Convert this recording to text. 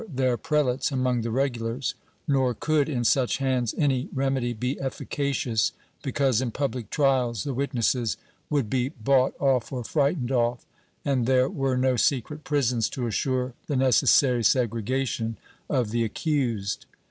378 MISCELLANEOUS BUSINESS [Book VIII their prelates among the regulars, nor could, in such hands, any remedy be efficacious, because in public trials the witnesses would be bought off or frightened off, and there were no secret prisons to assure the necessary segregation of the accused.